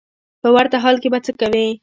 په ورته حال کې به څه کوې.